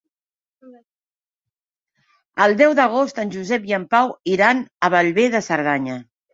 El deu d'agost en Josep i en Pau iran a Bellver de Cerdanya.